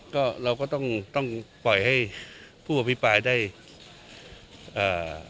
ก็เราก็ต้องต้องปล่อยให้ผู้อภิปรายได้เอ่อ